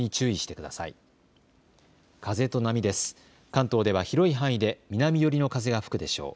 関東では広い範囲で南寄りの風が吹くでしょう。